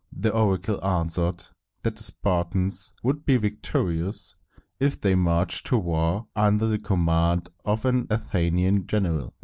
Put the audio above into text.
The oracle answered that the Spartans would be victorious if they marched to war under the command of an Athenian general.